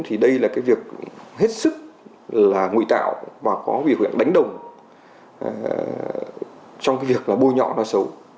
thì đây là cái việc hết sức là ngụy tạo và có việc đánh đồng trong cái việc là bôi nhọ nó xấu